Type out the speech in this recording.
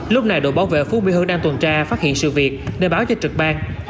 lúc này đội bảo vệ phú mỹ hưng đang tuần tra phát hiện sự việc nên báo cho trực bang